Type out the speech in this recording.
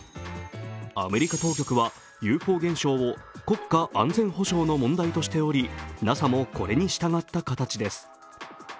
アメリカ当局はＵＦＯ現象を国家安全保障の問題としておりＮＡＳＡもこれに従った形です。